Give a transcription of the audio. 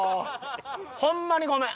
ホンマにごめん。